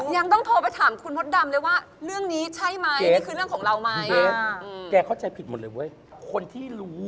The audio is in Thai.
ยังต้องโทรไปถามของคุณมดดำเลยว่า